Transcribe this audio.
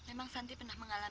ini si amal